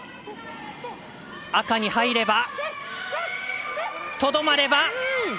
赤に入ればとどまれば。